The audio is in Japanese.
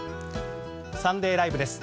「サンデーＬＩＶＥ！！」です。